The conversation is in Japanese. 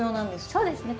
そうですね。